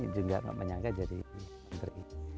juga nggak menyangka jadi menteri